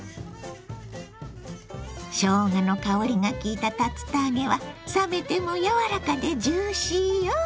しょうがの香りがきいた竜田揚げは冷めても柔らかでジューシーよ。